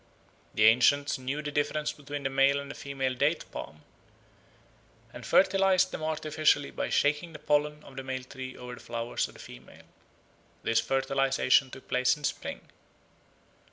The ancients knew the difference between the male and the female date palm, and fertilised them artificially by shaking the pollen of the male tree over the flowers of the female. The fertilisation took place in spring.